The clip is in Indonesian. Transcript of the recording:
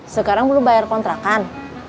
sekarang belum bayar kontrakan